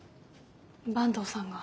坂東さんが？